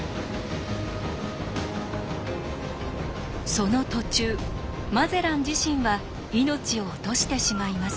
その途中マゼラン自身は命を落としてしまいます。